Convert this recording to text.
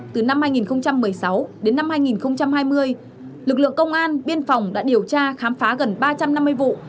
từ năm hai nghìn một mươi sáu đến năm hai nghìn hai mươi lực lượng công an biên phòng đã điều tra khám phá gần ba trăm năm mươi vụ